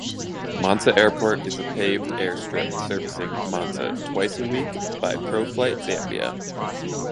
Mansa Airport is a paved airstrip servicing Mansa twice a week by Proflight Zambia.